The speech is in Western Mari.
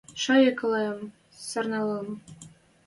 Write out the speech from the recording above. Шайыкылаэм сӓрнӓльӹм.